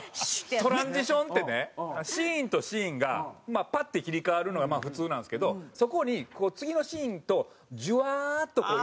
トランジションってねシーンとシーンがパッて切り替わるのが普通なんですけどそこに次のシーンとジュワーッと移り変わるとか。